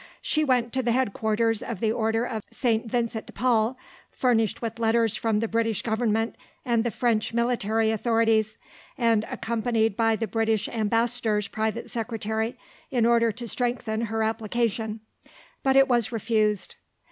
She went to the headquarters of the Order of St. Vincent de Paul, furnished with letters from the British Government and the French military authorities, and accompanied by the British Ambassador's private secretary in order to strengthen her application; but it was refused.